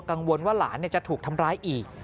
กังวลว่าหลานจะถูกทำร้ายอีก